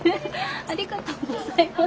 ありがとうございます。